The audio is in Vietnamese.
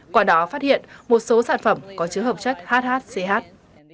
qua đó phát hiện một số sản phẩm có chứa hợp chất hhch